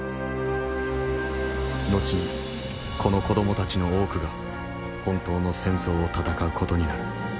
後にこの子どもたちの多くが本当の戦争を戦う事になる。